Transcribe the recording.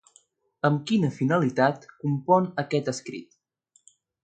Amb quina finalitat compon aquest escrit?